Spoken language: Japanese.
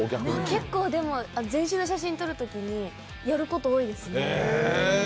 結構、全身の写真を撮るときにやること多いですね。